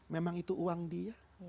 memang itu uang dia